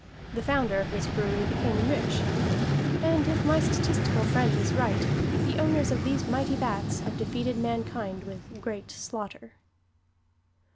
The founder of this brewery became rich; and if my statistical friend is right, the owners of these mighty vats have defeated mankind with "great slaughter."